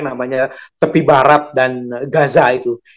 namanya tepi barat dan gaza itu